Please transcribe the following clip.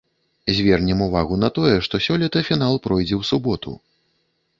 Звернем увагу на тое, што сёлета фінал пройдзе ў суботу.